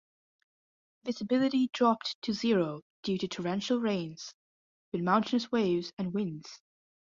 Visibility dropped to zero due to torrential rains, with mountainous waves and winds.